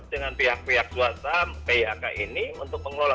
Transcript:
dengan pihak pihak swasta pak ini untuk mengelola